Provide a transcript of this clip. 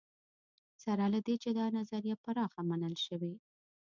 سره له دې چې دا نظریه پراخه منل شوې.